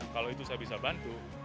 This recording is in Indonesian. kalau itu saya bisa bantu